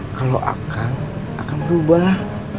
kalau akan akan berubah